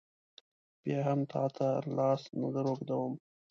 بیا هم تا ته لاس نه در اوږدوم.